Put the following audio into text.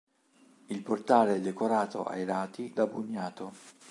Il portale è decorato ai lati da bugnato.